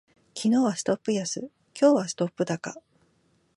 昨日はストップ安、今日はストップ高